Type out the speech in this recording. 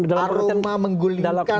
aroma menggulingkan gitu